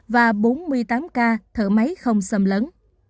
và bốn mươi tám ca thở máy không xâm lấn